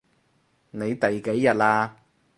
你第幾日喇？